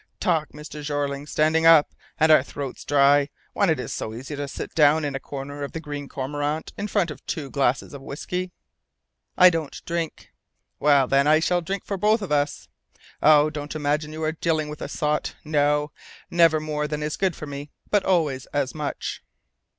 "Talk, Mr. Jeorling, talk standing up, and our throats dry, when it is so easy to sit down in a corner of the Green Cormorant in front of two glasses of whisky." "I don't drink." "Well, then, I'll drink for both of us. Oh! don't imagine you are dealing with a sot! No! never more than is good for me, but always as much!"